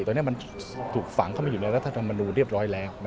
ตอนนี้มันถูกฝังเข้ามาอยู่ในรัฐธรรมนูลเรียบร้อยแล้ว